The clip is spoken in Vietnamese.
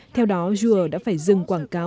theo đó juul đã phải dừng quảng cáo